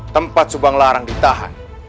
tempat subang larang ditahan